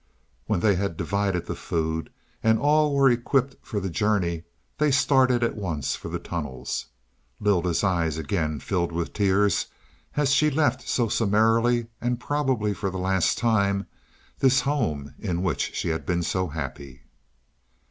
When they had divided the food, and all were equipped for the journey, they started at once for the tunnels. Lylda's eyes again filled with tears as she left so summarily, and probably for the last time, this home in which she had been so happy.